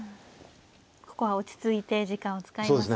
ここは落ち着いて時間を使いますね。